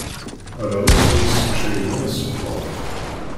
Allaɣ-is, ur as-sseččayen ara ssekker.